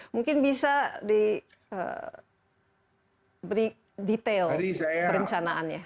mungkin bisa diberi detail perencanaannya